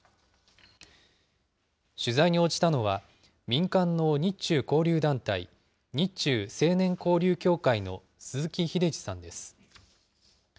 取材に応じたのは、民間の日中交流団体、日中青年交流協会の鈴木英司さんです。